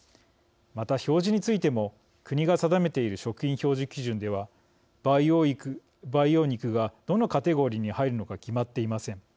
また、表示についても国が定めている食品表示基準では培養肉がどのカテゴリーに入るのか決まっていません。